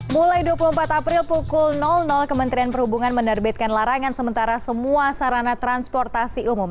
mulai dua puluh empat april pukul kementerian perhubungan menerbitkan larangan sementara semua sarana transportasi umum